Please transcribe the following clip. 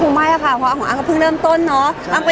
โหคุณแม่ว่าค่ะเพราะอ้างก็เพิ่งเริ่มต้นเนาะ